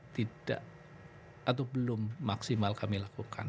tidak atau belum maksimal kami lakukan